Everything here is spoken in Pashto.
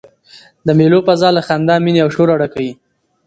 د مېلو فضاء له خندا، میني او شوره ډکه يي.